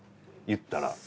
言ったら。